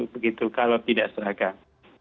begitu kalau tidak seragam